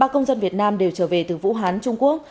ba công dân việt nam đều trở về từ vũ hán trung quốc